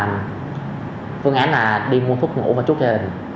phương án là đi mua thuốc ngủ và chuốt cho gia đình